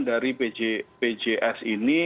dari pjs ini